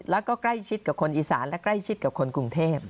แล้วก็ใกล้ชิดกับคนอีสานและใกล้ชิดกับคนกรุงเทพ